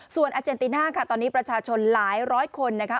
ส่วนอาเจนติน่าค่ะตอนนี้ประชาชนหลายร้อยคนนะคะ